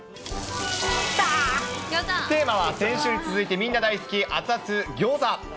テーマは先週に続いてみんな大好き、熱々ギョーザ。